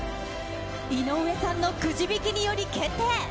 井上さんのくじ引きにより決定。